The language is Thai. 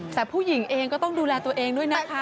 แต่ผู้หญิงเองก็ต้องดูแลตัวเองด้วยนะคะ